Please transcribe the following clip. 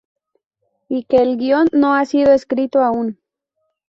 Y que el guion no ha sido escrito aún.